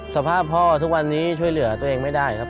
สภาพพ่อทุกวันนี้ช่วยเหลือตัวเองไม่ได้ครับ